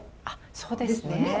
あっそうですね。